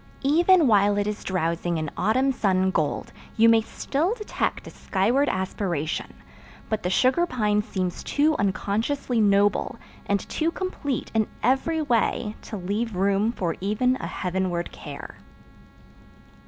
Even while it is drowsing in autumn sun gold you may still detect a skyward aspiration, but the sugar pine seems too unconsciously noble and too complete in every way to leave room for even a heavenward care.